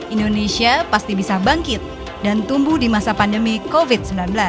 indonesia pasti bisa bangkit dan tumbuh di masa pandemi covid sembilan belas